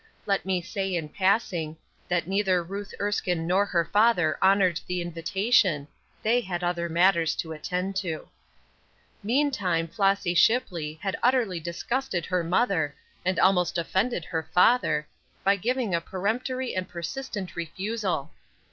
Let me say, in passing, that neither Ruth Erskine nor her father honored the invitation; they had other matters to attend to. Meantime, Flossy Shipley, had utterly disgusted her mother, and almost offended her father, by giving a peremptory and persistent refusal.